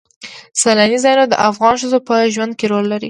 سیلاني ځایونه د افغان ښځو په ژوند کې رول لري.